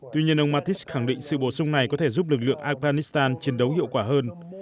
tuy nhiên ông mattis khẳng định sự bổ sung này có thể giúp lực lượng afghanistan chiến đấu hiệu quả hơn